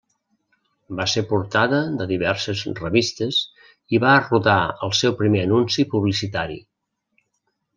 Va ser portada de diverses revistes i va rodar el seu primer anunci publicitari.